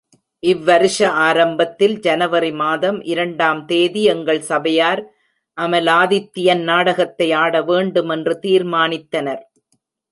இவ் வருஷ ஆரம்பத்தில் ஜனவரி மாதம் இரண்டாம் தேதி எங்கள் சபையார் அமலாதித்யன் நாடகத்தை ஆட வேண்டுமென்று தீர்மானித்தனர்.